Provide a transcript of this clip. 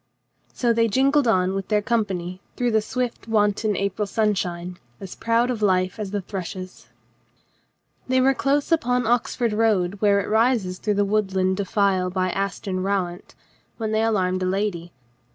So they jingled on with their company through the swift wanton April sunshine, as proud of life .as the thrushes. They were close upon the Oxford road where it rises through the woodland defile by Aston Rowant when they alarmed a lady.